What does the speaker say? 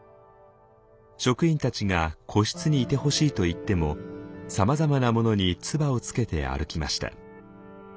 職員たちが個室にいてほしいと言ってもさまざまなものに唾をつけて歩きました。